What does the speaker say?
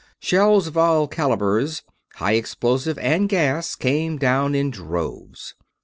Shells of all calibers, high explosive and gas, came down in droves.